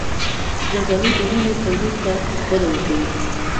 زردآلو د وینې تولید ته وده ورکوي.